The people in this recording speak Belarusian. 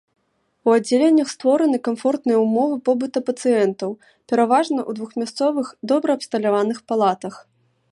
У аддзяленнях створаны камфортныя ўмовы побыта пацыентаў, пераважна ў двухмясцовых добра абсталяваных палатах.